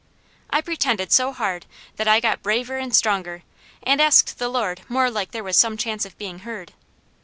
I pretended so hard, that I got braver and stronger, and asked the Lord more like there was some chance of being heard.